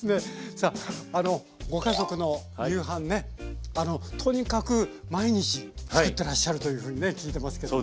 さあご家族の夕飯ねとにかく毎日作ってらっしゃるというふうにね聞いてますけどもね。